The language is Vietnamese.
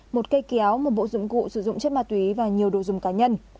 một cây kéo một bộ dụng cụ sử dụng chất ma túy và nhiều đồ dùng cá nhân